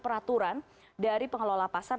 peraturan dari pengelola pasar